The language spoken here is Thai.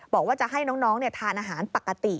บอกว่าจะให้น้องทานอาหารปกติ